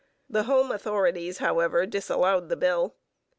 The home authorities, however, disallowed the bill.